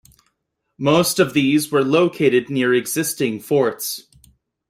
Most of these were located near existing forts.